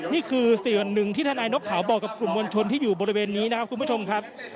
นี่คือส่วนหนึ่งที่ทนายนกเขาบอกกับกลุ่มมวลชนที่อยู่บริเวณนี้นะครับคุณผู้ชมครับ